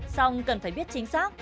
xong cần phải biết chính xác